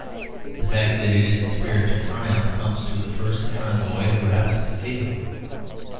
The fact that it is a spiritual triumph comes to the first errand boy who happens to feel it.